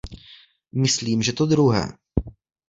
Myslím, že to druhé.